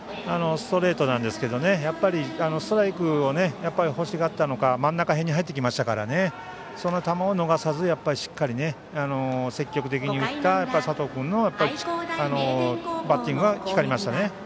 ストレートなんですけどストライクを欲しがったのか真ん中辺に入ってきましたからその球を逃さずにしっかり積極的に打った佐藤君のバッティングが光りましたね。